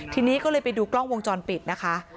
ทีนี้ก็เลยไปดูกล้องวงจรปิดนะคะ